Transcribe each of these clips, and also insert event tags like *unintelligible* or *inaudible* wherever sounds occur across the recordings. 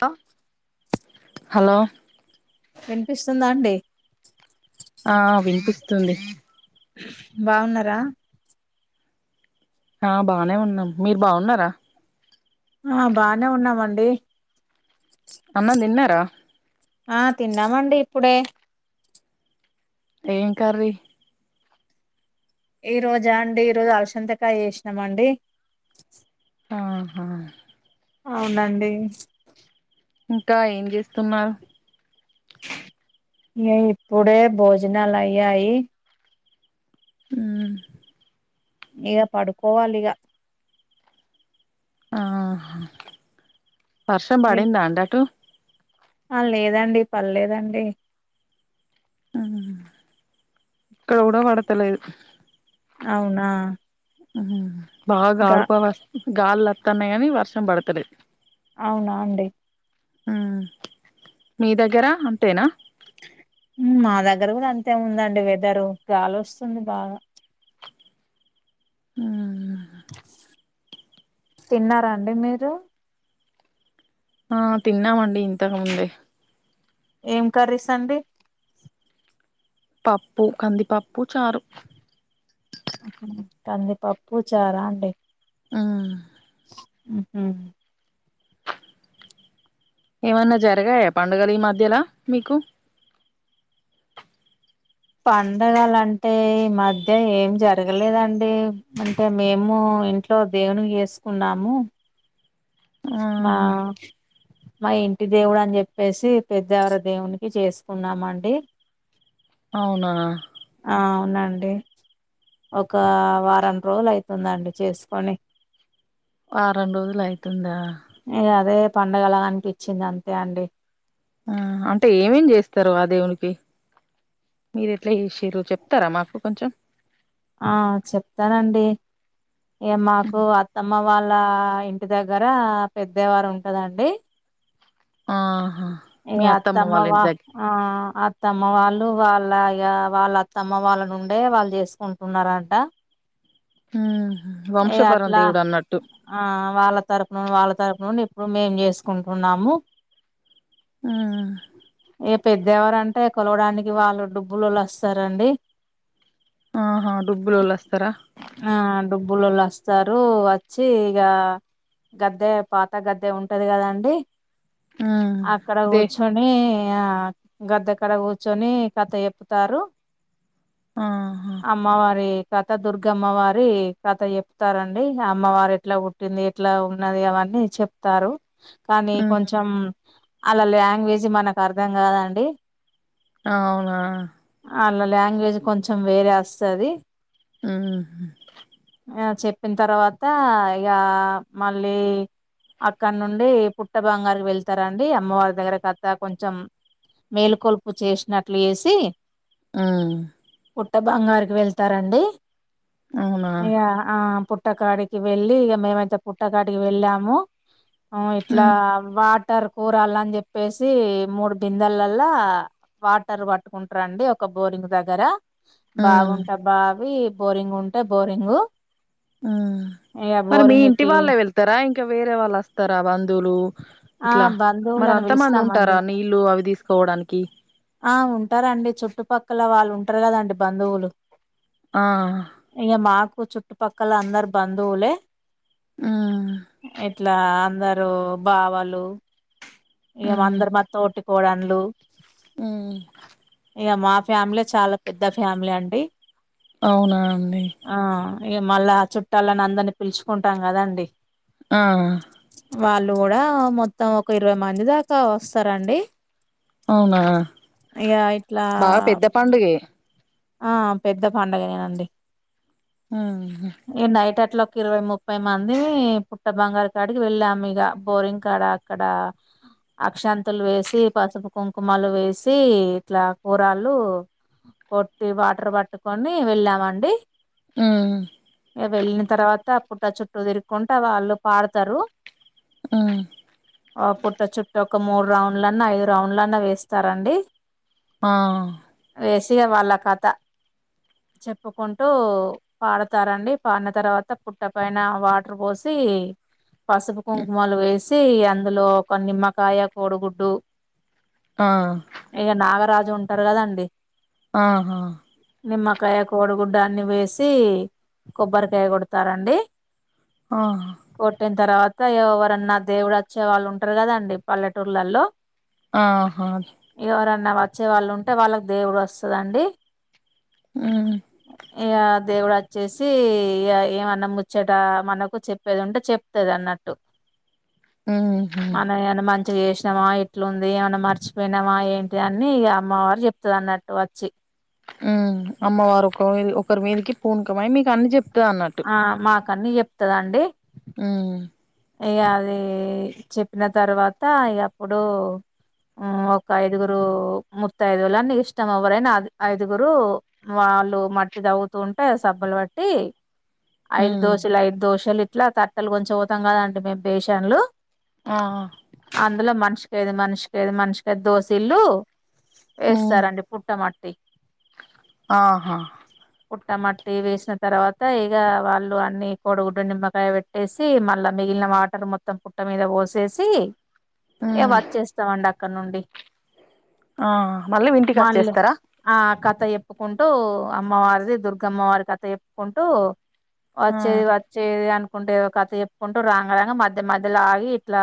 ఆ హలో వినిపిస్తుందాడి ఆ వినిపిస్తుంది బావున్నారా ఆ బానే ఉన్నాం మీరు బాగున్నారా ఆ బానే ఉన్నామండి అన్నదిన్నార ఆ తిన్నామండి ఇప్పుడే ఏం కర్రీ ఈ రోజా అండి ఈ రోజు అవసంతకాయ చేసినామండి ఆహా అవునండి ఇంకా ఏం చేస్తున్నారు ఇ ఇప్పుడే భోజనాలు అయ్యాయి ఉ ఇగ పడుకోవాలి ఇక ఆ వర్షం మీర్ పడిందా అండి అటు ఆ లేదండి పర్లేదండీ ఇక్కడ కూడా పడతలేదు అవునా బాగా గా గాడిపో వస్త గాలిలు వత్తన్నాయి అని వర్షం పడతాలేదు అవునా అండి ఉ మీ దగ్గరా అంతేనా మా దగ్గర కూడా అంతేదండి వెదరు గాల వస్తుంది బాగా ఉమ్ తిన్నారాండి మీరు ఆ తిన్నామండి ఇంతకుముందే ఏం కర్రీస్ అండి పప్పు కందిపప్పు చారు కందిపప్పు చారా అండి ఆ ఉహు ఏమన్నా జరగాయా పండుగలు ఈ మధ్యలా మీకు పండగలంటే ఈ మధ్య ఏం జరగలేదండి అంటే మేము ఇంట్లో దేవునివి చేసుకున్నాము. వా ఆహా మా ఇంటి దేవుడు అని చెప్పేసి పెద్ద ఎవరో దేవునికి చేసుకున్నామండి అవునా ఆ అవునండి ఒక వారం రోలయితుందండి చేస్కొని వారం రోజులు అయితుందా ఇగ అదే పండగలా అనిపించింది అంతే అండి ఆహా అంటే ఏమేం చేస్తరు ఆ దేవునికి మీరెట్లా చెషిర్రు చెప్తారా మాకు కొంచెం ఆ చెప్తనండి ఇగ మాకు అత్తమ్మ వాళ్ ళ్ళ ఇంటి దగ్గర పెద్దయారు ఉంటదండి. ఆ ఇగ అత్తమ్మ వా ఆ అత్తమ్మ వాళ్ళు వాళ్ళ ఇగ వాళ్ళత్తమ్మ వాళ్ళ నుండే వాళ్ చేసుకుంటున్నారట ఆ ఇగ అట్లా ఆ వాళ్ళ తరపు నుం వాళ్ళ తరపు నుండి *unintelligible* చేసుకుంటున్నాము ఆ పెద్ద ఎవరంటే కొలవడానికి వాళ్ళు డబ్బులోళ్ళు వస్తారండి ఆహా డుబ్బులోళ్ళు వస్తరా బులోల్లస్తారు వచ్చి ఇగ గద్దె పాత గద్దె ఉంటది కదా అండి ఉమ్ అక్కడ దే కూర్చొని ఇగ గద్దె కడ కూర్చొని కథ చెప్పుతారు. ఆహా అమ్మవారీ కథ దుర్గమ్మవారి కథ చెప్తారండి ఇగ అమ్మవారు ఎట్లా పుట్టింది ఎట్లా ఉన్నది అవ న్ని చెప్తారు కానీ ఉమ్ కొంచెం అల్లా లాంగ్వేజ్ మనకార్థం కాదండి. అవునా అళ్ళ లాంగ్వేజ్ కొంచెం వేరే వస్తది. హ్మ్ హు చెప్పిన తర్వాత ఇగ మళ్ళీ అక్కనుండి పుట్ట బాంగారికి వెళ్ వెళ్తారండి అమ్మవార్ దగ్గర కథ కొంచెం మేల్కొల్పు చేసినట్లు చెసి హ్మ్ పుట్ట బంగారిక్ వెళ్తారండి అవునా పుట్టకాడికి వెళ్ళీ ఇగ మేమైతే పుట్టకాడికి వెళ్ళాము ఇట్లా ఉమ్ వా వాటర్ కూరాల్ అని చెప్పేసి మూడు బిందల్లలా వాటర్ పట్టుకుంట్రు అండి ఒక బోరింగ్ దగ్గర ఉమ్ బావుంటే బావి బోరింగ్ ఉంటే బోరింగు ఆ ఇగ మరి మీ ఇంటి బోరింగ్కి వాళ్ళే వెళ్తారా ఇంకా వేరే వాళ్ళు వస్తారా బంధువులు ఆ ఇట్లా మరి బంధువులను అంత మంది ఉంటారా పిలుస్తామండి నీళ్లు అవి తీసుకోవడానికి ఆ ఉంటారండి చుట్టుపక్కల వాళ్ళు ఉంటారు కదండి బంధువులు ఆ ఈ చుట్టుపక్కల అందరు బంధువులే ఉమ్ ఇట్లా అందరు బావలు ఏమో అందరు మా తోటి కోడళ్లు అ ఫ్యామిలీ చాలా పెద్ద ఫ్యామిలీ అండి అవునా అండి ఇక మళ్ళా ఆ చుట్టాలని అందరినీ పిలుచుకుంటాం కదండి ఆ వాళ్ళు కూడా మొత్తం ఒక ఇరవై మంది దాకా వస్తారండి అవునా ఇక ఇట్లా బాగా పెద్ద పండుగే ఆ పెద్ద పండుగనేేనండి ఆ ఇట్ల ఒక ఇరవై ముప్పై మంది పుట్ట బంగారు కాడికి వెళ్ళాం ఇక బోరింగ్ కాడ అక్కడ అక్షింతలు వేసి పసుపు కుంకుమలు వేసి ఇట్లా కూరళ్లు పట్ *unintelligible* వాటర్ పట్టుకొని వెళ్ళామండి ఉమ్ ఇక వెళ్ళిన తర్వాత పుట్ట పుట్ట చుట్టూ తిరుక్కుంట వాళ్ళు పాడుతరు ఆ ఆ పుట్ట చుట్టూ ఒక మూడు రౌండ్లన్నా ఐదు రౌండ్లన్నా వేస్తారండి ఆ వేసివాళ్ళ కథ చెప్పుకుంటూ పాడతారండి పాడిన తర్వాత పుట్ట పైన వాటర్ పోసి పసుపు కుంకుమలు వేసి అందులో ఒక నిమ్మకాయ కోడిగుడ్డు ఆ ఇక నాగరాజు ఉంటారు కదండి ఆహా నిమ్మకాయ కోడిగుడ్డ అన్ని వేసి కొబ్బరికాయ కొడతారండి. ఆ కోట్టిన తర్వాత ఎవరన్నా దేవుడు వచ్చే వాళ్ళు ఉంటారు కదండి పల్లెటూర్లలో ఆహా ఎవరన్నా వచ్చే వాళ్ళు ఉంటే వాళ్ళకి దేవుడు వస్తదండి ఉమ్ ఇక దేవుడు వచ్చేసి ఏమన్న ముచ్చట మనకు చెప్పేది ఉంటే చెప్తది అన్నట్టు. ఉ ఏం చేసినమా ఎట్లుంది ఏమన్నా మర్చిపోయినామా ఏంటి అన్ని ఇక అమ్మవారు చెప్తది అన్నట్టు వచ్చి. అమ్మవారు ఒక ఒకరి మీదికి పూనుకమయి మీకు అన్ని చెపుతుంది ఆ మాకన్ని చెప్తదండి ఆ ఇక అది చెప్పిన తర్వాత ఇక అప్పుడు ఒక ఐదుగురు ముతైదువులు నీ ఇష్టం ఎవ్వరైనా ఐదుగురు వాళ్ళు మట్టి తవ్వుతూ ఉంటే సబ్బులు బట్టి ఐదు ఉమ్ దోశలు ఐదు దోశలు ఇట్లా తట్టలు కొంచం పోవుతాం కదండి మేము బేషన్లు ఆ అందులో మనిషికి ఐదు మనిషికైదు మనిషికైదు దోసీల్లు ఉమ్ వేస్తారండి పుట్టమట్ట ఆహా పుట్ట మట్టి వేసిన తర్వాత ఇక వాళ్ళు అన్ని కోడిగుడ్డు నిమ్మకాయ పెట్టేసి మన మిగిలిన వాటర్ మొత్తం పుట్ట మీద పోసేసి ఇక ఉమ్ వచ్చేస్తామండి అక్కడ నుండి ఆ మళ్ళీ ఇంటికి మళ్ళి వచ్చేస్తారా ఆ క కథ చెప్పుకుంటూ అమ్మవారిది దుర్గమ్మవారి కథ చెప్పుకుంటూ ఆ వచ్చేది వచ్చేది అనుకుంటే ఒక కథ చె కుంటూ రాంగ రాంగ మధ్య మధ్యలో ఆగి ఇట్లా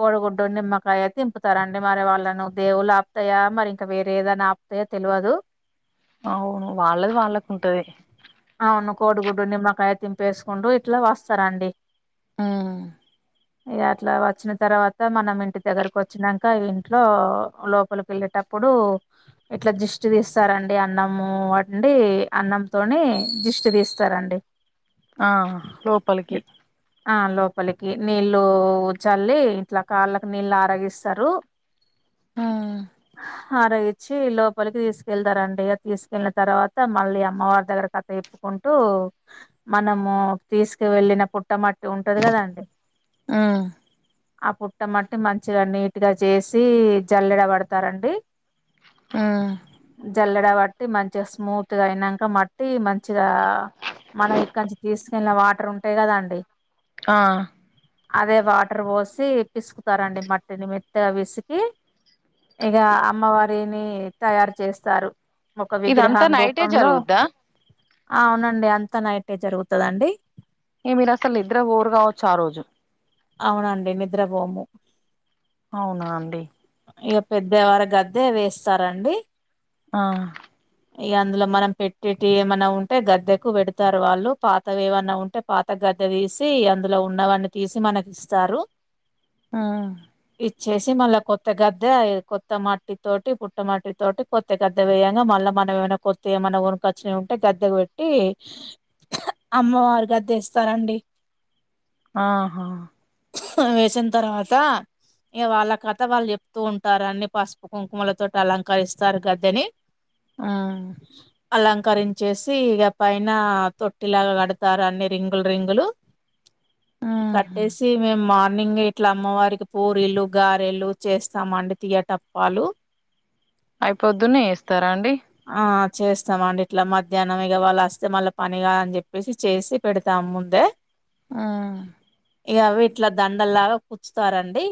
కోడిగుడ్డు నిమ్మకాయ తింపుతారండి మరి వాళ్ళ అలా నువ్వు దేవుళ్లు ఆపుతాయా మరి ఇంకా వేరే ఏదైనా ఆపుతాయా తెలవదు అవును వాళ్ళది వాళ్ళకు ఉంటది అవును కోడిగుడ్డు నిమ్మకాయ తింపేసుకుంటూ ఇట్లా వస్తారండి ఆమ్ ఇక అట్లా వచ్చిన తర్వాత మనం ఇంటి దగ్గరకు వచ్చినాంక ఇంట్లో లోపల పిల్లట అప్పుడు ఇట్లా దిష్టి తీస్తారండి అన్నము వండి అన్నం తోని దిష్టి తీస్తారండి ఆ లోపలికి ఆ లోపలికి నీళ్ళు చల్లి ఇంట్లో కాళ్ళకి నీళ్ళు ఆరగిస్తారు ఆమ్ హర ఇచ్చి లోపలికి తీసుకెళ్తారండి తీసుకెళ్ళిన తర్వాత మళ్ళీ అమ్మవారి దగ్గర కథ చెప్పుకు ఉంటూ మనము తీసుకు వెళ్ళినప్పుడు పుట్టమట్టి ఉంటది కదాండి ఉమ్ ఆ పుట్ట మట్టి మంచిగా నీట్గా చేసి జలెడబడతారండి ఆమ్ జల్లెడ బట్టి మంచిగా స్మూత్ గా అయినాక మట్టి మంచిగా మనం ఇక్కంచి తీసు నిన్న వాటర్ ఉంటాయి కదా అండి ఆ అదే వాటర్ పోసి పిసుకుతారండి మట్టిని మెత్తగా వి పిసికి ఇక అమ్మవారిని తయారు చేస్తారు ఒక ఇదంతా విగ్రహం నైటే రూపంలో జరుగుద్దా అవునండి అంతా నైటే జరుగుతదా అండి ఇక మీరసలు నిద్రపోరు కావొచ్చు ఆరోజు అవునండి నిద్రబోము అవునా అండి ఇగ పెద్దయవారు గద్దె వేస్తారండి ఆ ఇగ అందులో మనం పెట్టటిటి ఏమన్నా ఉంటే గద్దెకు పెడతారు వాళ్ళు పాత వేమన్నా ఉంటే పాత గ ద్దె తీసి అందులో ఉన్నవన్ని తీసి మనకిస్తారు ఆ ఇచ్చేసి మళ్ళా కొత్త గద్దె కొత్త మట్టి తోటి పుట్ట మట్టి తోటి కొత్త గద్దె వేయంగా మళ్ళా మనం ఏమైనా కొత్తవి ఏమన్నా కొనుకొచ్చినయ్ ఉంటే గద్దెకు పెట్టి అమ్మవారి గద్దెస్ సరండీ ఆహా వేసినా తర్వాత ఇక వాళ్ళ కథ వాళ్ళు చెప్తూ ఉంటారు అన్ని పసుపు కుంకుమల తోటి అలంకరిస్తారు గద్దెని ఆ అలంకరించేసి ఇగ పైన తొట్టిలాగా కడతారు అన్ని రింగులు రింగులు ఉహు కట్టేసి మే మా న్నింగ్ ఇట్లా అమ్మవారికి పూరీలు గారెలు చేస్తామండి తీయటప్పాలు అయిపోద్దున్నె యేస్తారా అండి చేస్తామాండి ఇట్లా మధ్యాహ్నం ఇగ వాళ్ళస్తే ఇగ మళ్ళ పనిగాదని చెప్పేసి చేసి పెడతాము ముందే ఆ ఇగ అవీట్ల దండల్లాగా కుచుతారండి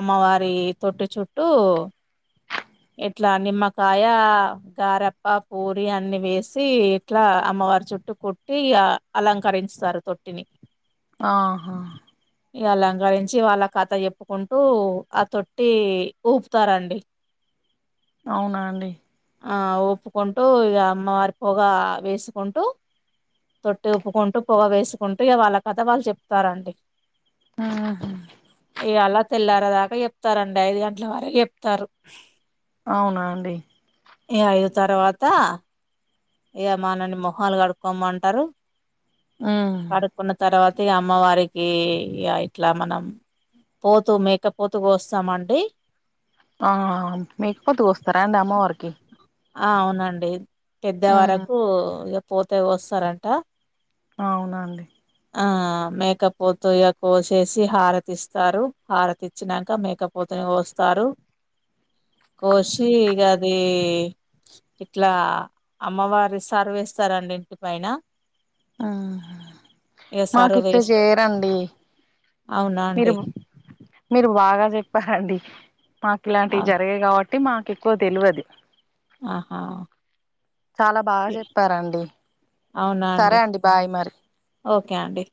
అమ్మవారి తొట్టి చుట్టూ ఇట్లా నిమ్మకాయ గారప్ప పూరి అన్ని వేసి ఇట్లా అమ్మవారు చుట్టు కుట్టి ఇగా అలంకరించుతారు తొట్టిని ఆహా ఇక అలంకరించి వాళ్ళ కథ చెప్పుకుంటూ ఆ తొట్టి ఊపుతారండి అవునా అండి ఆ ఊపుకుంటూ ఇగ అమ్మవారి పొగ వేసుకుంటూ తొట్టి ఊపుకుంటూ పొగ వేసుకుంటూ ఇగ వాళ కథ వాళ్ళు చెప్తారండి ఆహా ఇయలా తెల్లారేదాకా చెప్తారండి ఐదుగంట్ల వరకు చెప్తారు అవునా అండి ఇ అయిదు తర్వాత ఇగ మనల్ని మొహాలు కడుక్కోమంటరు ఉమ్ కడుకున్న తర్వాత ఈ అమ్మవారికి ఇగ ఇట్లా మనం పోతూ మేక పోతు కోస్సామండి ఆ మేకపోతు కోస్తార అండి అమ్మ వారికి ఆ అవునండి పెద్ద వరకు ఇగ పోతే కోస్తారంట అవునాండి ఆ మేకపోతు ఇగ కోసేసి హారతిస్తారు హారతిచ్చినాక మేకపోతుని కోస్తారు *inaudible* కోసి ఇగ అది ఇట్లా అమ్మవారు సర్వేస్తారండి ఇంటి పైన ఆహా ఇగ మాకిట్ల సరువేసి జేయరండీ అవునా అండి మీరు బాగా చెప్పారండి మాకిలాంటివి అవును జరిగయి గావట్టి మాకేక్కువ దెల్వది ఆహా చాలా బాగా చెప్పారండి సరే అండి బాయ్ మరి క్యాండీ